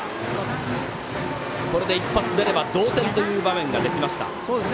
これで一発出れば同点という場面ができました。